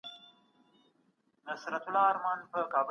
راتلونکی په اوسني وخت پورې تړلی دی.